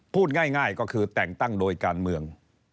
พูดง่ายก็คือแต่งตั้งโดยการเมือง